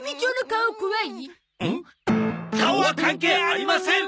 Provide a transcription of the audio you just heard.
顔は関係ありません！